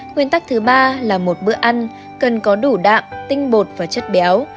nguyên tắc thứ ba là một bữa ăn cần có đủ đạm tinh bột và chất béo